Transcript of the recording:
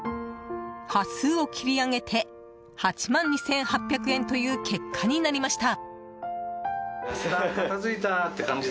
端数を切り上げて８万２８００円という結果になりました。